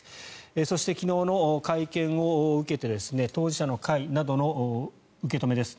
そして、昨日の会見を受けて当事者の会などの受け止めです。